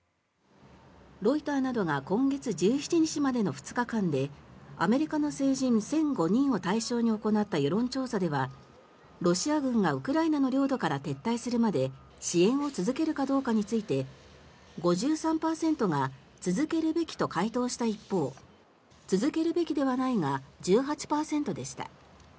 ロイターなどが今月１７日までの２日間でアメリカの成人１００５人を対象に行った世論調査ではロシア軍がウクライナの領土から撤退するまで支援を続けるかどうかについて５３％が続けるべきと回答した一方続けるべきではないが１８％でした。